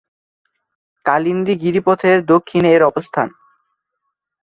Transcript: কালিন্দী গিরিপথের দক্ষিণে এর অবস্থান।